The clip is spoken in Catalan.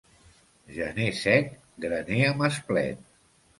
Gener sec, graner amb esplet.